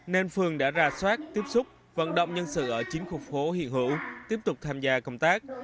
nên phường đã ra soát tiếp xúc vận động nhân sự ở chín khu phố hiện hữu tiếp tục tham gia công tác